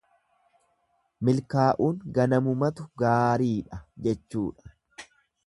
Milkaa'uun ganamumatu gaariidha jechuudha.